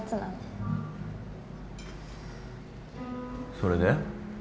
それで？